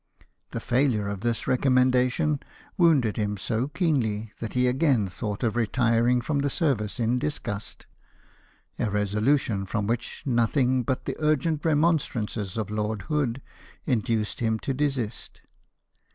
The failure of this re commendation wounded him so keenly that he again thought of retiring from the service in disgust — a resolution from which nothing but the urgent remon strances of Lord Hood induced him to desist.